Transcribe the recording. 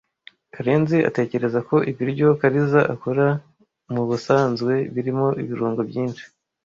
Karenzi atekereza ko ibiryo Kariza akora mubusanzwe birimo ibirungo byinshi.